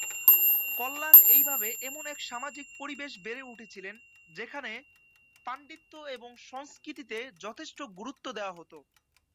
কল্যাণ এইভাবে এমন এক সামাজিক পরিবেশ বেড়ে উঠেছিলেন যেখানে পাণ্ডিত্য এবং সংস্কৃতিতে যথেষ্ট গুরুত্ব দেওয়া হত।